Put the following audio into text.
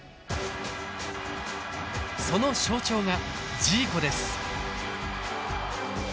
その象徴がジーコです。